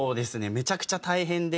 めちゃくちゃ大変で。